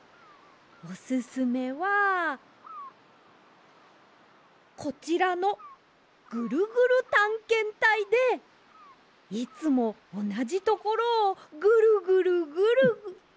オススメはこちらの「ぐるぐるたんけんたい」でいつもおなじところをぐるぐるぐるぐる。